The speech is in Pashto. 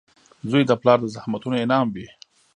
• زوی د پلار د زحمتونو انعام وي.